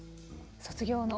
卒業の。